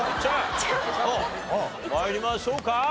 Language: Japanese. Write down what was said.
参りましょうか？